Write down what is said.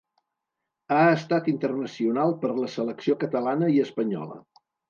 Ha estat internacional per la selecció catalana i espanyola.